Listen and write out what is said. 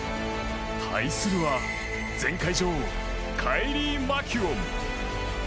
対するは、前回女王カイリー・マキュオン。